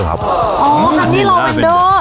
อ๋อฮันนี่ราเวนเดอร์